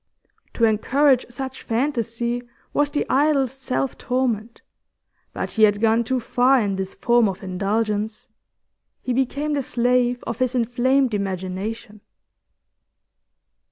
To encourage such fantasy was the idlest self torment, but he had gone too far in this form of indulgence. He became the slave of his inflamed imagination.